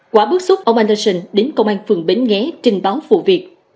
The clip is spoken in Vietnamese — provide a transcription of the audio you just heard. quá bước xuống ông anderson đến công an phường bến nghé trình báo vụ việc